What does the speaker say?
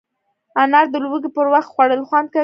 انار د لوږې پر وخت خوړل خوند کوي.